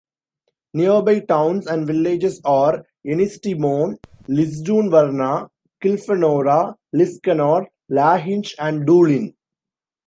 Nearby towns and villages are Ennistymon, Lisdoonvarna, Kilfenora, Liscannor, Lahinch and Doolin.